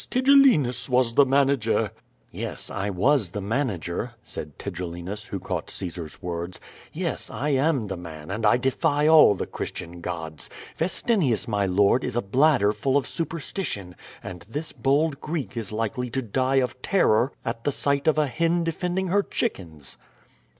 Tigellinus was the manager." QUO VADI8. 441 'TTes, I was the manager/' said Tigellinus, who caught Caesar's words. "Yes, I am the man, and I defy all the Christian gods! Vcstinius, my lord, is a bladder full of superstition, and this bokl Greek is likely to die of terror at the sight of a hen defending her chickens."